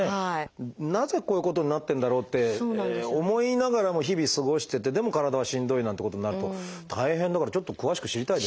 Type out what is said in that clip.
なぜこういうことになってるんだろうって思いながらも日々過ごしててでも体はしんどいなんてことになると大変だからちょっと詳しく知りたいですね。